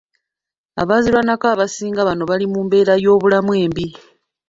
Abaazirwanako abasinga bano bali mu mbeera y'obulamu embi .